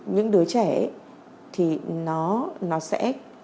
những đứa trẻ thì nó sẽ